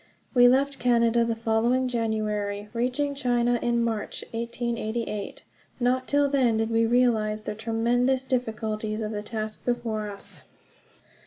We left Canada the following January, reaching China in March, 1888. Not till then did we realize the tremendous difficulties of the task before us.